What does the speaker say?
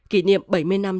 kỷ niệm bảy mươi năm